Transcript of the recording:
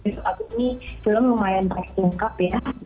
tapi ini film lumayan terlalu lengkap ya